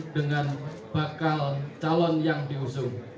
dengan bakal calon yang diusung